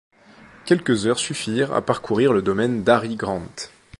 Quelques heures suffirent à parcourir le domaine d’Harry Grant.